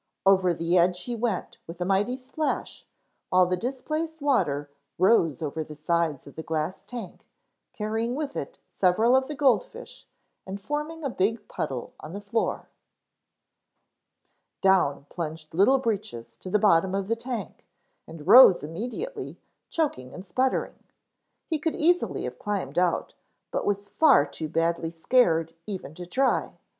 Over the edge he went with a mighty splash while the displaced water rose over the sides of the glass tank, carrying with it several of the gold fish and forming a big puddle on the floor. Down plunged Little Breeches to the bottom of the tank and rose immediately, choking and sputtering. He could easily have climbed out, but was far too badly scared even to try.